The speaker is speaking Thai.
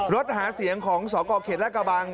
รถหาเสียงของสกเขตและกระบัง